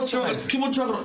気持ちはわかる。